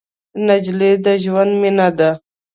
نجلۍ د ژوند مینه ده.